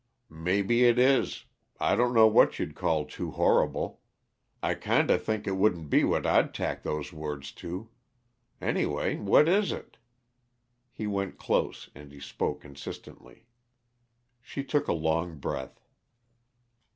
"Maybe it is I don't know what you'd call too horrible; I kinda think it wouldn't be what I'd tack those words to. Anyway what is it?" He went close, and he spoke insistently. She took a long breath.